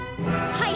はい！